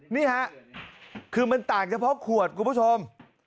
นี่ฮะคือมันต่างเฉพาะขวดคุณผู้ชม